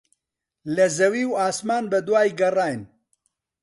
لە زەوی و ئاسمان بەدوای گەڕاین.